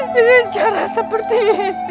dengan cara seperti ini